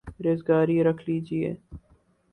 ریزگاری رکھ لیجئے